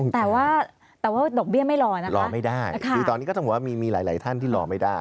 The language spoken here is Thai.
แต่ว่าแต่ว่าดอกเบี้ยไม่รอนะคะรอไม่ได้คือตอนนี้ก็ต้องบอกว่ามีหลายท่านที่รอไม่ได้